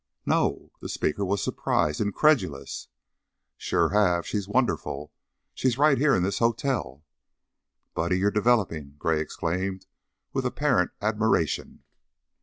"No!" The speaker was surprised, incredulous. "Sure have. She's wonderful. She's right here in this hotel!" "Buddy, you're developing!" Gray exclaimed, with apparent admiration.